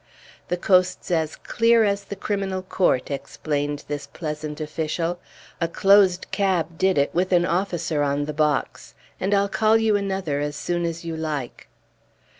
"The coast's as clear as the Criminal Court," explained this pleasant official. "A closed cab did it, with an officer on the box; and I'll call you another as soon as you like."